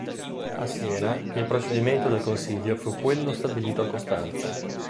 A Siena, il procedimento del Consiglio fu quello stabilito a Costanza.